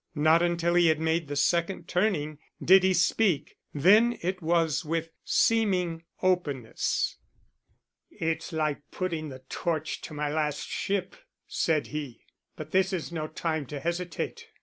Not until he had made the second turning did he speak; then it was with seeming openness. "It's like putting the torch to my last ship," said he; "but this is no time to hesitate. Mr.